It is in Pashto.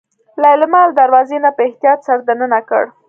ليلما له دروازې نه په احتياط سر دننه کړ.